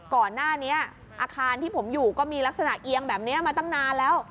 ก่อนหน้านี้อาคารที่ผมอยู่ก็มีลักษณะเอียงแบบนี้มาตั้งนานแล้ว